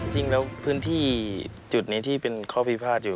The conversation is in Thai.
จริงแล้วพื้นที่จุดนี้ที่เป็นข้อพิพาทอยู่